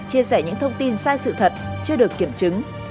chia sẻ những thông tin sai sự thật chưa được kiểm chứng